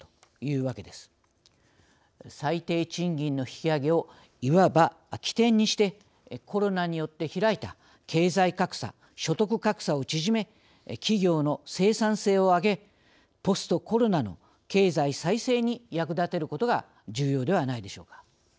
最低賃金の引き上げをいわば起点にしてコロナによって開いた経済格差所得格差を縮め企業の生産性を上げポストコロナの経済再生に役立てることが重要ではないでしょうか。